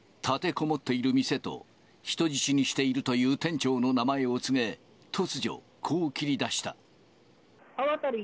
立てこもっている店と、人質にしているという店長の名前を告げ、突如、こう切り出した。